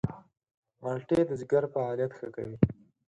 مالټې د ځيګر فعالیت ښه کوي.